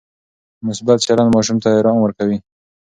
مثبت چلند ماشوم ته ارام ورکوي.